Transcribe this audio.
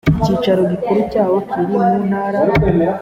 icyicaro gikuru cyawo kiri mu ntara